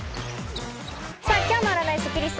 今日の占いスッキりす。